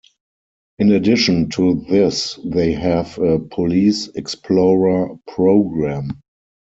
In addition to this they have a Police Explorer program.